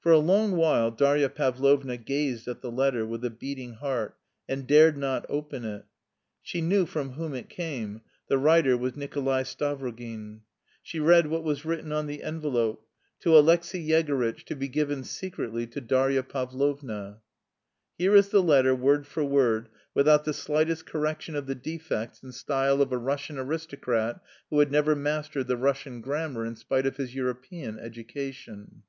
For a long while Darya Pavlovna gazed at the letter with a beating heart, and dared not open it. She knew from whom it came: the writer was Nikolay Stavrogin. She read what was written on the envelope: "To Alexey Yegorytch, to be given secretly to Darya Pavlovna." Here is the letter word for word, without the slightest correction of the defects in style of a Russian aristocrat who had never mastered the Russian grammar in spite of his European education.